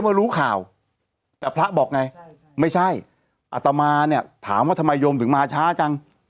มารู้ข่าวแต่พระบอกไงไม่ใช่อัตมาถามว่าธรรมยนต์ถึงมา